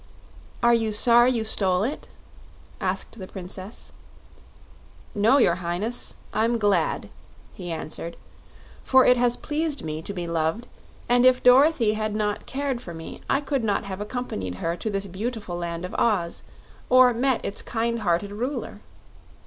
"Are you sorry you stole it?" asked the Princess. "No, your Highness; I'm glad," he answered; "for it has pleased me to be loved, and if Dorothy had not cared for me I could not have accompanied her to this beautiful Land of Oz, or met its kind hearted Ruler.